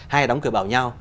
hai là đóng cửa bảo nhau